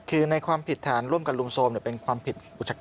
คือในความผิดฐานร่วมกันลุมโทรมเป็นความผิดอุจกรรม